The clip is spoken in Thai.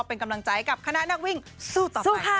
ทุกเก้าทุกจังหวัด